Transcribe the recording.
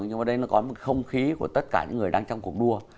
nhưng mà đây nó có một không khí của tất cả những người đang trong cuộc đua